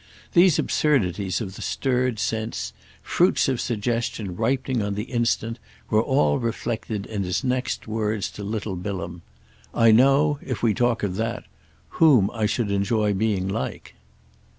These absurdities of the stirred sense, fruits of suggestion ripening on the instant, were all reflected in his next words to little Bilham. "I know—if we talk of that—whom I should enjoy being like!"